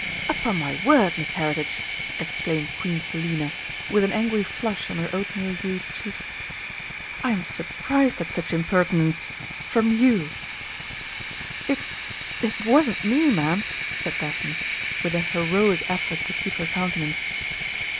"Upon my word, Miss Heritage!" exclaimed Queen Selina, with an angry flush on her oatmeal hued cheeks, "I am surprised at such impertinence from you!" "It it wasn't me, Ma'am," said Daphne, with an heroic effort to keep her countenance.